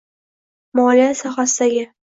Moliya sohasidagi.